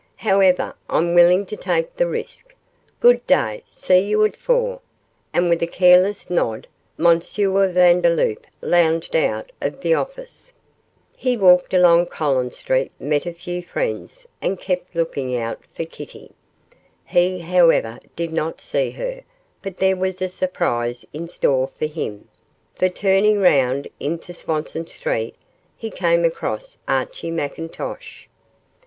However, I'm willing to take the risk. Good day! See you at four,' and with a careless nod, M. Vandeloup lounged out of the office. He walked along Collins Street, met a few friends, and kept a look out for Kitty. He, however, did not see her, but there was a surprise in store for him, for turning round into Swanston Street, he came across Archie McIntosh.